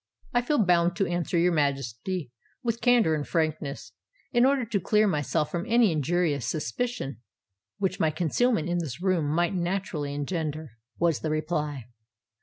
"I feel bound to answer your Majesty with candour and frankness, in order to clear myself from any injurious suspicion which my concealment in this room might naturally engender," was the reply.